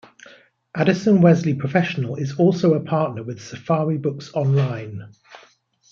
Addison-Wesley Professional is also a partner with Safari Books Online.